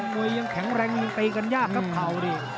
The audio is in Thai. เมื่อยังแข็งแรงตีกันยากกับเขาดิ